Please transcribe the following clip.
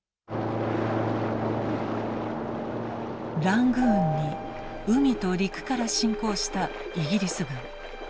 ラングーンに海と陸から侵攻したイギリス軍。